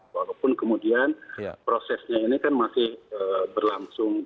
walaupun kemudian prosesnya ini kan masih berlangsung